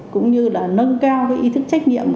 cũng như là nâng cao cái ý thức trách nhiệm